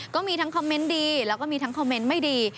ก็มีทั้งคอมเมนต์ดีแล้วก็มีทั้งคอมเมนต์ไม่ดี